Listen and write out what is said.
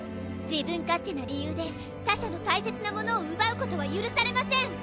自分勝手な理由で他者の大切なものをうばうことはゆるされません！